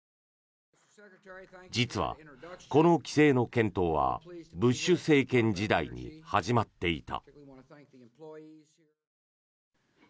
実は、この規制の検討はブッシュ政権時代に始まっていた。